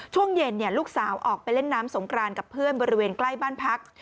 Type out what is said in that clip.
ช่วงเย็นลูกสาวออกไปเล่นน้ำสงครานกับเพื่อนบริเวณใกล้บ้านพัก